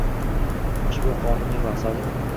Ushbu Qonunning maqsadi